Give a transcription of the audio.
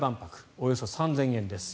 およそ３０００円です。